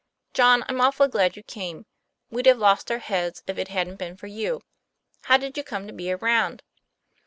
"John, I'm awful glad you came. We'd have lost our heads, if it hadn't been for you. How did you come to be around